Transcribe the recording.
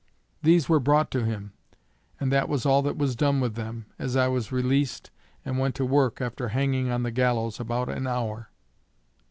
These were brought to him, and that was all that was done with them, as I was released and went to work after hanging on the gallows about an hour.